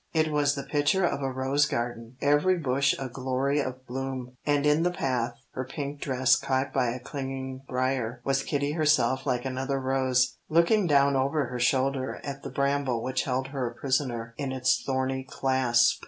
It was the picture of a rose garden, every bush a glory of bloom, and in the path, her pink dress caught by a clinging brier, was Kitty herself like another rose, looking down over her shoulder at the bramble which held her a prisoner in its thorny clasp.